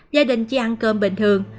gia đình chỉ ăn cơm bình thường